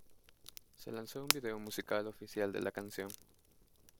Se lanzó un video musical oficial de la canción.